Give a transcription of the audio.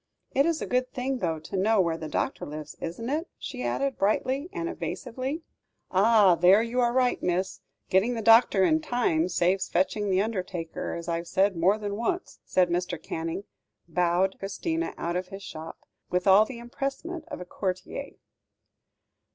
It is a good thing, though, to know where the doctor lives, isn't it?" she added, brightly and evasively. "Ah! there you are right, miss. Getting the doctor in time saves fetching the undertaker, as I've said more than once," and Mr. Canning bowed Christina out of his shop, with all the empressement of a courtier.